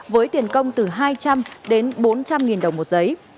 với tiền công từ hai trăm linh đến bốn trăm linh nghìn đồng một giấy